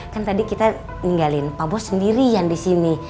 kan tadi kita ninggalin pak bos sendirian disini